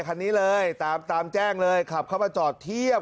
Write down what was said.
คันนี้เลยตามตามแจ้งเลยขับเข้ามาจอดเทียบ